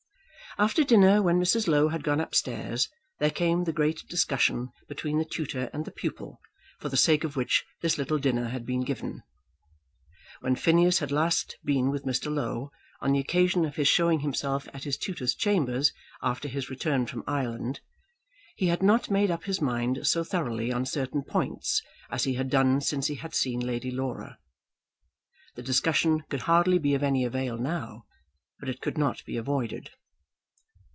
After dinner, when Mrs. Low had gone up stairs, there came the great discussion between the tutor and the pupil, for the sake of which this little dinner had been given. When Phineas had last been with Mr. Low, on the occasion of his showing himself at his tutor's chambers after his return from Ireland, he had not made up his mind so thoroughly on certain points as he had done since he had seen Lady Laura. The discussion could hardly be of any avail now, but it could not be avoided.